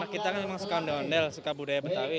kemang memang anak kita kan suka ondel suka budaya betawi